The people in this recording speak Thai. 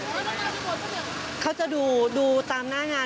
เค้าจะดูตามหน้างานดูตามสถานการณ์